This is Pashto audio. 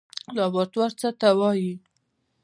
لابراتوار څه ته وایي؟